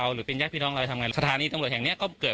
คุณผู้ชมมีหลายกรณีนะเขมรักษณะคล้ายกันแบบ